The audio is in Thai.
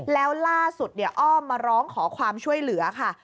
แล้วล่าสุดอ้อมมาร้องขอความช่วยเหลือค่ะ